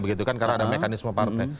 karena ada mekanisme partai